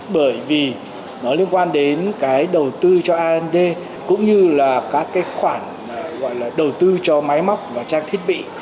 bởi vì nó liên quan đến cái đầu tư cho and cũng như là các cái khoản gọi là đầu tư cho máy móc và trang thiết bị